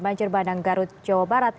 jangan dikeluarkan juga